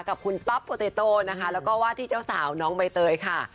กับคุณป๊อปโปเตโตนะคะแล้วก็วาดที่เจ้าสาวน้องใบเตยค่ะ